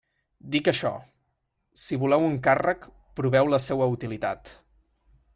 Dic això: si voleu un càrrec, proveu la seua utilitat.